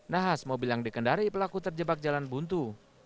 nahas mobil yang dikendari pelaku terjebak jalan buntu